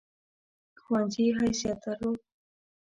ښوونځي حیثیت درلود.